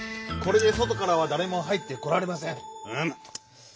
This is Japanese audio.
これでそとからはだれも入ってこられません。